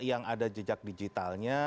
yang ada jejak digitalnya